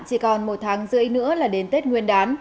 chỉ còn một tháng rưỡi nữa là đến tết nguyên đán